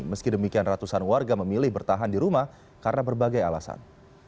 meski demikian ratusan warga memilih bertahan di rumah karena berbagai alasan